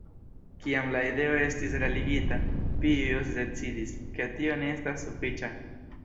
Kiam la ideo estis realigita, Pijus decidis, ke tio ne estas sufiĉa.